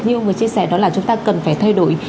như ông vừa chia sẻ đó là chúng ta cần phải thay đổi